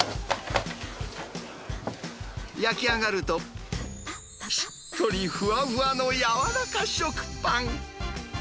焼き上がると、しっとり、ふわふわの柔らか食パン。